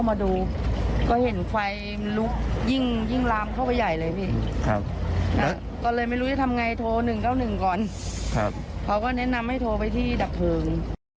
ฉันนำให้โทรไปที่ดับเทิง